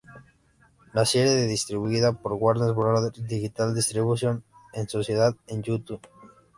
La serie es distribuida por Warner Brothers Digital Distribution en sociedad con YouTube.